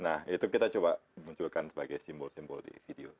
nah itu kita coba munculkan sebagai simbol simbol di video